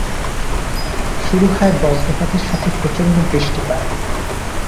শুরু হয় বজ্রপাতের সাথে প্রচন্ড বৃষ্টিপাত।